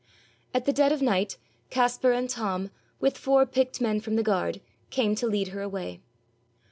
At the dead of night Caspar and Tom, with four picked men from the guard, came to lead her away.